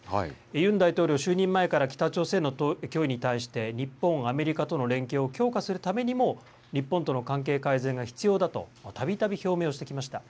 ユン大統領、就任前から、北朝鮮の脅威に対して日本、アメリカとの連携を強化するためにも、日本との関係改善が必要だと、たびたび表明をしてきました。